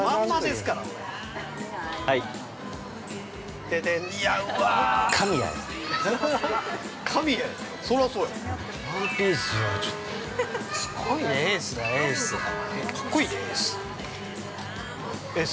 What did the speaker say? すっごいね、エースだ、エース。